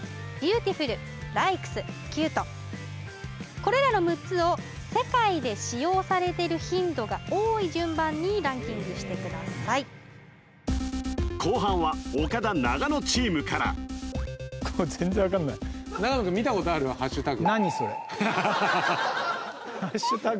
これらの６つを世界で使用されてる頻度が多い順番にランキングしてください後半は岡田長野チームからこれ全然分かんない長野君ハッシュタグ？